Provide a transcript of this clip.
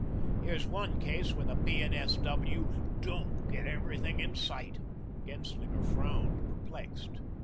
Here's one case where the P. and S. W. DON'T get everything in sight." Genslinger frowned, perplexed.